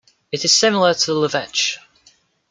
It is similar to the Leveche.